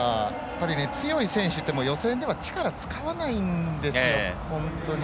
強い選手って予選では力を使わないんですよ。